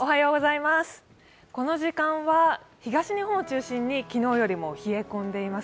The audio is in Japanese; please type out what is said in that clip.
この時間は東日本を中心に昨日よりも冷え込んでいます。